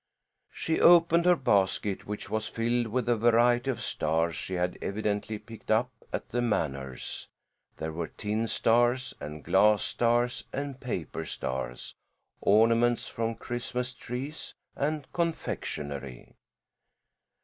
She opened her basket which was filled with a variety of stars she had evidently picked up at the manors. There were tin stars and glass stars and paper stars ornaments from Christmas trees and confectionery.